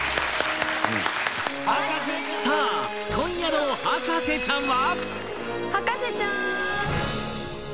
さあ今夜の『博士ちゃん』は